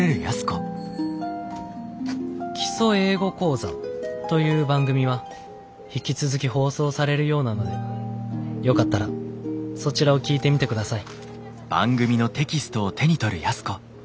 「『基礎英語講座』という番組は引き続き放送されるようなのでよかったらそちらを聴いてみてください」。